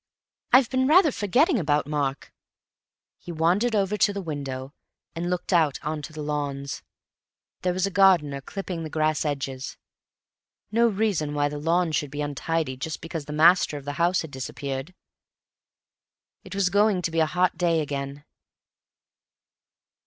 I've been rather forgetting about Mark." He wandered over to the window and looked out on to the lawns. There was a gardener clipping the grass edges. No reason why the lawn should be untidy just because the master of the house had disappeared. It was going to be a hot day again.